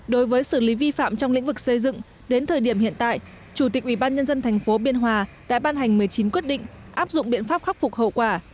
đối với xử lý vi phạm trong lĩnh vực xây dựng đến thời điểm hiện tại chủ tịch ủy ban nhân dân thành phố biên hòa đã ban hành một mươi chín quyết định áp dụng biện pháp khắc phục hậu quả